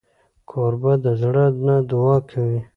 کوربه د زړه نه دعا کوي.